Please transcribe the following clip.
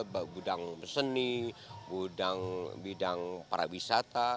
dari bidang seni bidang pariwisata